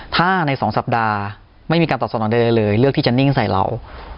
ถ้าใน๒สัปดาห์ไม่มีการตอบสนองใดเลยเลือกที่จะนิ่งใส่เรา